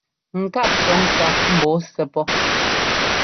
Ŋkáp cɔ̌ ŋká mbɔɔ sɛ́ pɔ́.